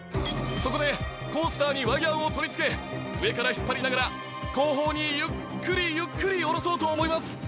そこでコースターにワイヤを取り付け上から引っ張りながら後方にゆっくりゆっくりおろそうと思います。